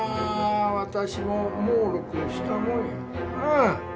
私ももうろくしたもんやなあ。